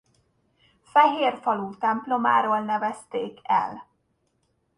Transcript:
Fehér falú templomáról nevezték el.